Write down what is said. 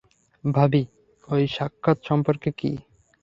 ভাবি, ঐ সাক্ষাৎ সম্পর্কে কী?